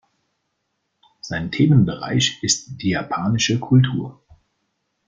Sein Themenbereich ist die Japanische Kultur.